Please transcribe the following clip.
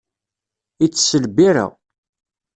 Itess lbirra.